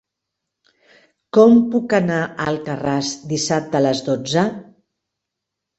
Com puc anar a Alcarràs dissabte a les dotze?